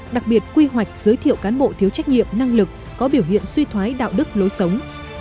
đặc biệt quy hoạch giới thiệu cán bộ thiếu trách nhiệm năng lực có biểu hiện suy thoái đạo đức lối sống